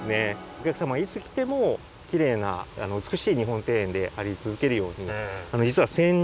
お客様がいつ来てもきれいな美しい日本庭園であり続けるように実は吉橋さん。